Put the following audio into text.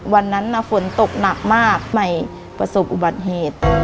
วันนั้นฝนตกหนักมากใหม่ประสบอุบัติเหตุ